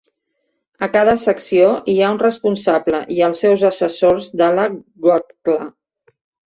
A cada secció hi ha un responsable i els seus assessors de la kgotla.